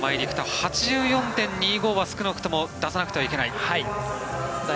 ８４．２５は少なくとも出さなくてはいけない。